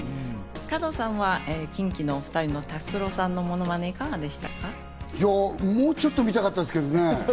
加藤さんはＫｉｎＫｉのお２人の達郎さんのものまね、いかがでしもうちょっと見たかったです